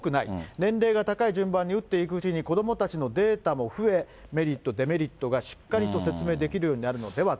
年齢が高い順番に打っていくうちに、子どもたちのデータも増え、メリット、デメリットがしっかりと説明できるようになるのではと。